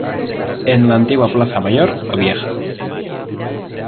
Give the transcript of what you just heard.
En la antigua Plaza Mayor o Vieja.